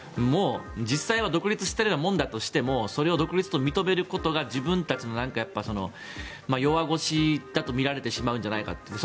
実際には独立しているようなものだとしてもそれを独立と認めることが自分たちの弱腰だと見られてしまうんじゃないかという。